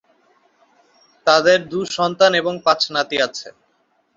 তাদের দু’সন্তান এবং পাঁচ নাতি আছে।